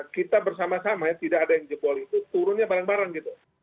kita bersama sama ya tidak ada yang jebol itu turunnya bareng bareng gitu